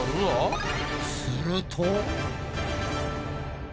すると。